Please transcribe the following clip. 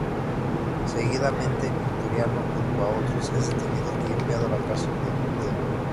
Seguidamente Victoriano junto a otros es detenido y enviado a la cárcel de Tudela.